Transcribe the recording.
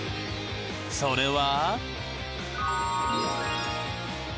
［それは］